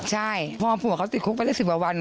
ใช่พอผู้หัวเขาติดคุกไปได้๑๐วัน